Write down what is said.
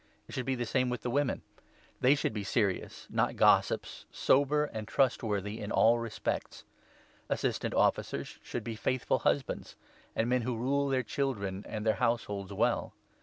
It should be the same with the n women. They should be serious> not gossips, sober, and trustworthy in all respects. Assistant Officers should be 12 faithful husbands, and men who rule their children and their households well.